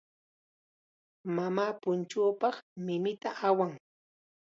Mamaa punchuupaq minita awan.